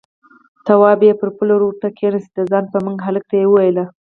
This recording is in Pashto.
تواب پر پوله ورته کېناست، د ځان په منګ هلک ته يې وويل: